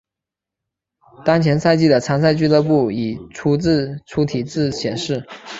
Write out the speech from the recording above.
当前赛季的参赛俱乐部以粗体字显示。